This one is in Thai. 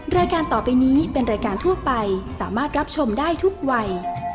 รายการต่อไปนี้เป็นรายการทั่วไปสามารถรับชมได้ทุกวัย